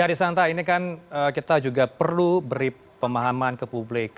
arisanta ini kan kita juga perlu beri pemahaman ke publik